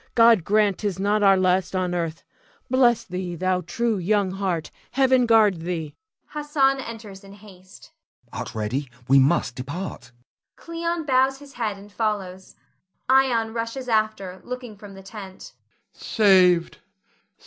God grant 'tis not our last on earth! Bless thee, thou true young heart! Heaven guard thee! [Hassan enters in haste. Hassan. Art ready? We must depart. [Cleon bows his head and follows. Ion rushes after, looking from the tent.] Ion. Saved!